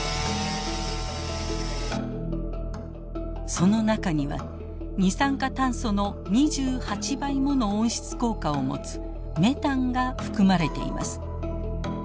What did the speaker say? その中には二酸化炭素の２８倍もの温室効果を持つメタンが含まれています。